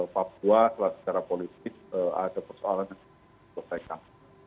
papua secara politik ada persoalan yang diselesaikan